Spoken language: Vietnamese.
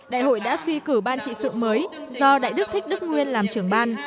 đại hội đã suy cử ban trị sự mới do đại đức thích đức nguyên làm trưởng ban